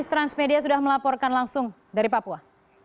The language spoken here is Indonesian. transmedia sudah melaporkan langsung dari papua